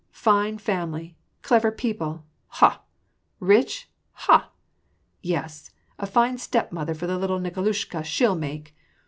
Fine family! Clever people, ha ? Rich ? ha ! Yes, a fine stepmother for the little Mkolushka she'll make.